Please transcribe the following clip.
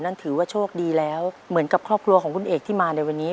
นั่นถือว่าโชคดีแล้วเหมือนกับครอบครัวของคุณเอกที่มาในวันนี้